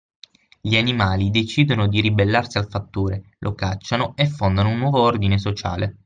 Gli animali decidono di ribellarsi al fattore, lo cacciano e fondano un nuovo ordine sociale